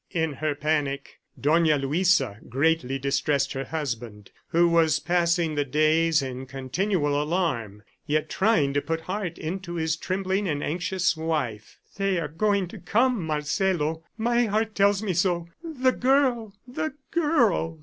In her panic, Dona Luisa greatly distressed her husband, who was passing the days in continual alarm, yet trying to put heart into his trembling and anxious wife. "They are going to come, Marcelo; my heart tells me so. The girl! ... the girl!"